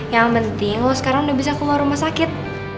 yang penting lo sekarang udah bisa keluar rumah sakit